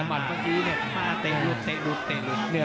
เมื่อกี้เนี่ยเตะรุดเตะรุดเตะรุด